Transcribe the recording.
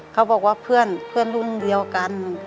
เขาบอกว่าเพื่อนรุ่นเดียวกัน